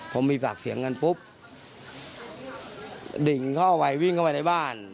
พอมีปากเสียงกันปุ๊บดิ่งเข้าไปวิ่งเข้าไปในบ้าน